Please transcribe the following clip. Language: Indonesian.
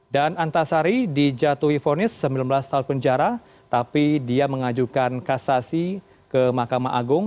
dan antasari dijatuhi vonis sembilan belas tahun penjara tapi dia mengajukan kasasi ke mahkamah agama